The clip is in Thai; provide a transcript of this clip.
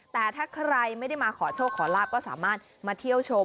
แต่ถ้าใครไม่ได้มาขอโชคขอลาบก็สามารถมาเที่ยวชม